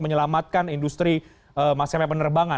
menyelamatkan industri masyarakat penerbangan